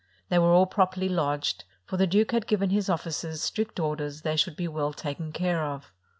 They were all properly lodged ; for the duke had given his ofl&cers strict orders they should be well taken care of.